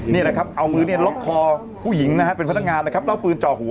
เนี้ยแหละครับเอามือเนี้ยล็อกคอผู้หญิงนะฮะเป็นพันธการนะครับเล่าปืนเจาะหัว